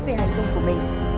về hành tùng của mình